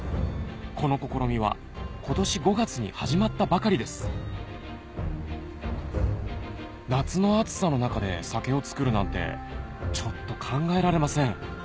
この試みは今年５月に始まったばかりです夏の暑さの中で酒をつくるなんてちょっと考えられません